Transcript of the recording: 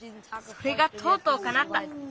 それがとうとうかなった。